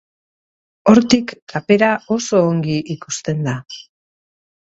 Hortik kapera oso ongi ikusten da.